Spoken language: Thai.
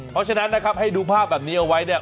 เพราะฉะนั้นนะครับให้ดูภาพแบบนี้เอาไว้เนี่ย